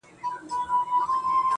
گرانه شاعره له مودو راهسي.